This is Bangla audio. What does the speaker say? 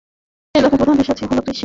এই এলাকার প্রধান পেশা হল কৃষি।